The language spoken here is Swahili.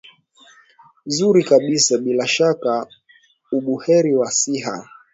zuri kabisa bila shaka ubuheri wa siha